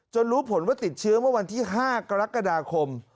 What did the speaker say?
รู้ผลว่าติดเชื้อเมื่อวันที่๕กรกฎาคม